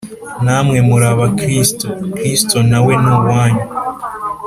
na mwe muri aba kristo, kristo na we ni uwanyu